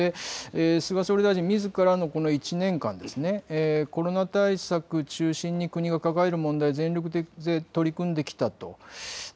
菅総理大臣みずからもこの１年間、コロナ対策を中心に国が抱える問題に全力で取り組んできたと。